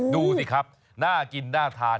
ดูสิครับน่ากินน่าทาน